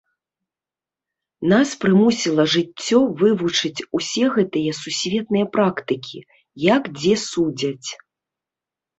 Нас прымусіла жыццё вывучыць усе гэтыя сусветныя практыкі, як дзе судзяць.